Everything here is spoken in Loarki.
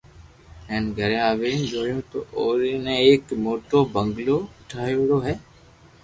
ھين گھري آوين جويو تو او ري تي ايڪ موٽو بنگلو ٺيو ڙو ھي